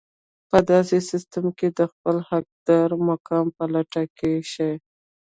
په داسې سيستم کې د خپل حقدار مقام په لټه کې شئ.